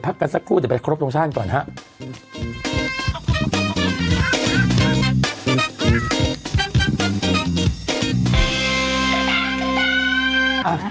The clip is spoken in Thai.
กันสักครู่เดี๋ยวไปครบทรงชาติก่อนครับ